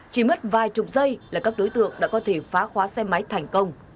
chỉ mất vài chục giây là các đối tượng đã có thể phá khóa xe máy thành công